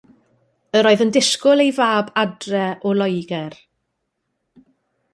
Yr oedd yn disgwyl ei fab adre o Loegr.